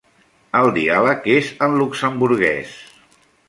El diàleg és en luxemburguès.